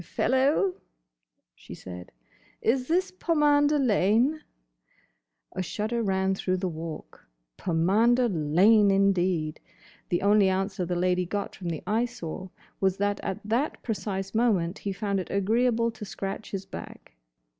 "Fellow," she said, "is this Pomander Lane?" A shudder ran through the Walk. Pomander Lane, indeed!—The only answer the lady got from the Eyesore was that at that precise moment he found it agreeable to scratch his back.